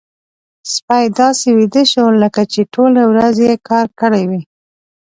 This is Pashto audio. سپی داسې ویده شو لکه چې ټولې ورځې يې کار کړی وي.